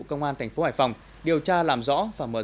công an tp hải phòng điều tra làm rõ và mua bán trái phép hóa đơn